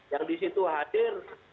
yang di situ hadir